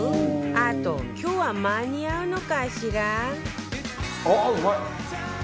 あと今日は間に合うのかしら？